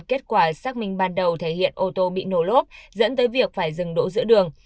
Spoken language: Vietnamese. kết quả xác minh ban đầu thể hiện ô tô bị nổ lốp dẫn tới việc phải dừng đỗ giữa đường